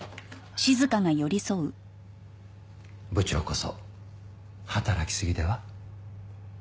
部長こそ働きすぎでは？